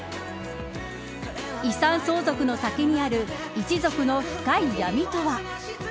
遺産相続の先にある一族の深い闇とは。